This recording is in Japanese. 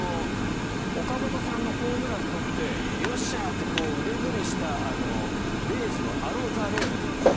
岡本さんのホームランをとってよっしゃ！って腕組みしたレイズのアロザレーナ選手。